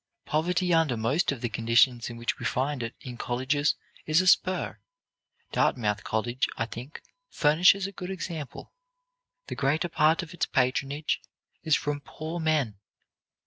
Poverty under most of the conditions in which we find it in colleges is a spur. Dartmouth College, I think, furnishes a good example. The greater part of its patronage is from poor men.